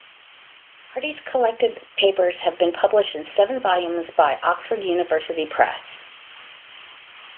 Hardy's collected papers have been published in seven volumes by Oxford University Press.